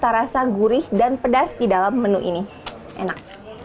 rasa gurih dan pedas di dalam menu ini enak